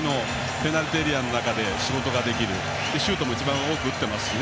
ペナルティーエリアの中で仕事ができるシュートも一番多く打っていますしね。